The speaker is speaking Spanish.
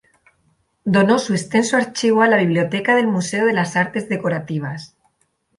Donó su extenso archivo a la biblioteca del Museo de las Artes Decorativas.